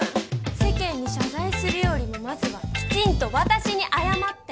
世間に謝罪するよりもまずはきちんと私に謝って